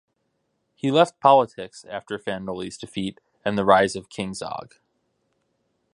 He left politics after Fan Noli's defeat, and the rise of King Zog.